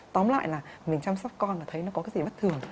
tóm lại là mình chăm sóc con là thấy nó có cái gì bất thường